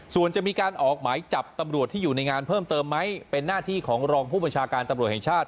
ส่วนจะมีการออกหมายจับตำรวจที่อยู่ในงานเพิ่มเติมไหมเป็นหน้าที่ของรองผู้บัญชาการตำรวจแห่งชาติ